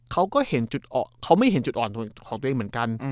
เขาก็เห็นจุดเขาไม่เห็นจุดอ่อนของตัวเองเหมือนกัน